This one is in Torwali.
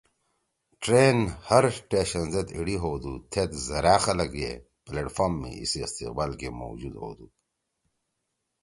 ٹرین ہر ٹیشن زید ایِڑی ہؤدُودو تھید زرأ خلگ ئے پلیٹ فارم می ایِسی استقبال گےموجود ہؤدُود